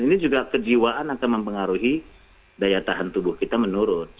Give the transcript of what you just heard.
ini juga kejiwaan akan mempengaruhi daya tahan tubuh kita menurun